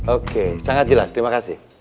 oke sangat jelas terima kasih